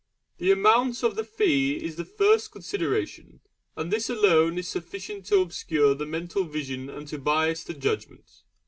The amount of the fee is the first consideration, and this alone is sufficient to obscure the mental vision and to bias the judgment.